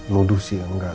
nuduh sih enggak